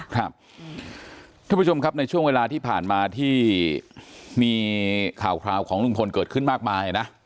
ท่านผู้ชมครับในช่วงเวลาที่ผ่านมาที่มีข่าวคราวของลุงพลเกิดขึ้นมากมายนะ